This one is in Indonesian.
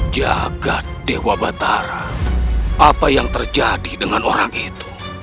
jaga dewa batara apa yang terjadi dengan orang itu